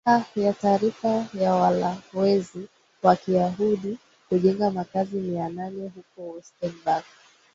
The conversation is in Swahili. a ya taarifa ya walowezi wakiyahundi kujenga makazi mia nane huko west bank